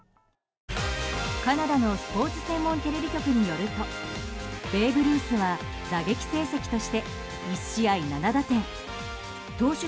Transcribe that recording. カナダのスポーツ専門テレビ局によるとベーブ・ルースは打撃成績として１試合７打点投手